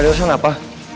ada urusan apa